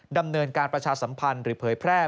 ดำเนินการประชาสัมพันธ์หรือเผยแพร่